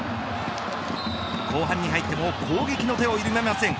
後半に入っても攻撃の手を緩めません。